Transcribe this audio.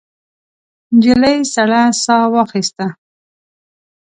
نجلۍ سړه ساه واخیسته.